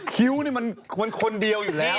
คิ้วนี่มันคนเดียวอยู่แล้ว